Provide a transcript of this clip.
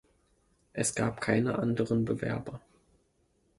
Es gab keine anderen Bewerber.